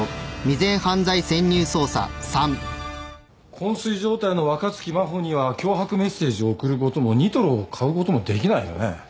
昏睡状態の若槻真帆には脅迫メッセージを送ることもニトロを買うこともできないよね。